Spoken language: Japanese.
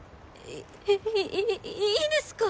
えっいいいんですか？